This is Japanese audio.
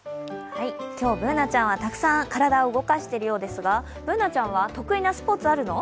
今日Ｂｏｏｎａちゃんはたくさん体を動かしているようですがＢｏｏｎａちゃんは得意なスポーツあるの？